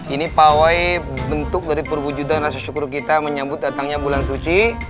ini pawai bentuk dari perwujudan rasa syukur kita menyambut datangnya bulan suci